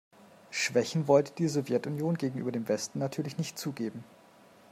Schwächen wollte die Sowjetunion gegenüber dem Westen natürlich nicht zugeben.